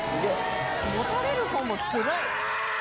持たれるほうもつらい。